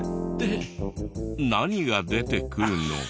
何が出てくるのか？